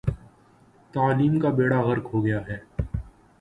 تعلیم کا بیڑہ غرق ہو گیا ہے۔